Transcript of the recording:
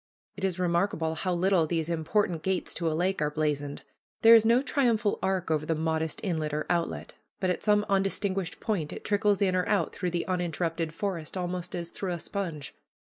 It is remarkable how little these important gates to a lake are blazoned. There is no triumphal arch over the modest inlet or outlet, but at some undistinguished point it trickles in or out through the uninterrupted forest, almost as through a sponge.